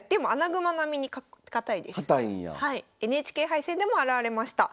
ＮＨＫ杯戦でも現れました。